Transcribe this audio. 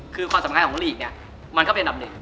คือความสำคัญของลีกเนี่ยมันก็เป็นอันดับหนึ่ง